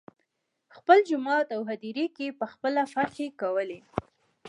خپل جوماتونه او هدیرې یې په خپله فتحه کولې.